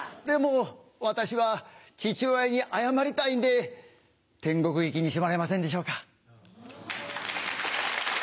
でも私は父親に謝りたいんで天国行きにしてもらえませんでしょうか？